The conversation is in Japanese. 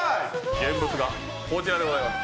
現物がこちらでございます。